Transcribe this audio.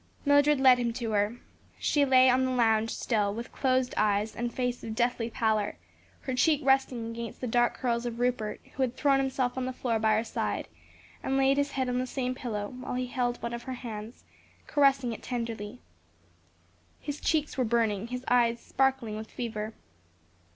Mildred led him to her. She lay on the lounge still, with closed eyes and face of deathly pallor, her cheek resting against the dark curls of Rupert, who had thrown himself on the floor by her side, and laid his head on the same pillow, while he held one of her hands, caressing it tenderly. His cheeks were burning, his eyes sparkling with fever.